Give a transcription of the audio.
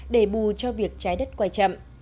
để bù cho việc trái đất quay chậm